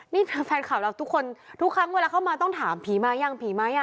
นี่แฟนข่าวเราทุกคนทุกครั้งเวลาเข้ามาต้องถามผีมายังผีไหม